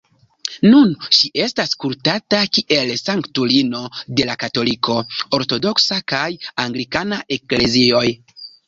Nun ŝi estas kultata kiel sanktulino de la Katolika, Ortodoksa kaj Anglikana Eklezioj.